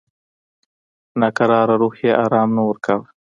ناکراره روح یې آرام نه ورکاوه.